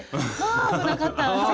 あ危なかった！